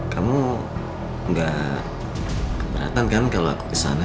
kamu gak keberatan kamu kalo aku kesana